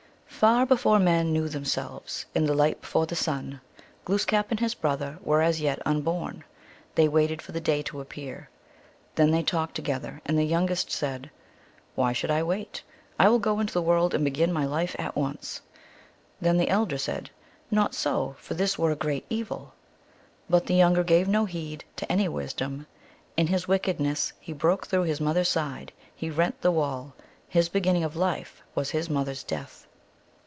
Far before men knew themselves, in the light before the sun, Glooskap and his brother were as yet unborn ; they waited for the day to ap pear. Then they talked together, and the youngest said, " Why should I wait? I will go into the world and begin my life at once." Then the elder said, " Not so, for this were a great evil." But the younger gave no heed to any wisdom : in his wickedness he broke through his mother s side, he rent the wall ; his beginning of life was his mother s death.